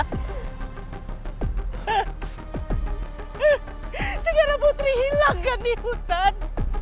tidak ada putri hilang kan di hutan